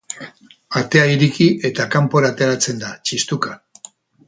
Atea ireki eta kanpora ateratzen da, txistuka.